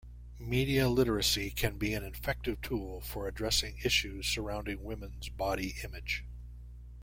Media literacy can be an effective tool for addressing issues surrounding women's body image.